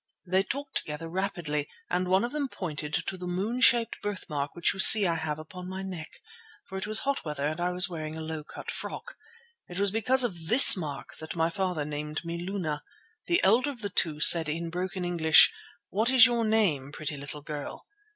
They talked together rapidly, and one of them pointed to the moon shaped birthmark which you see I have upon my neck, for it was hot weather, and I was wearing a low cut frock. It was because of this mark that my father named me Luna. The elder of the two said in broken English: "'What is your name, pretty little girl?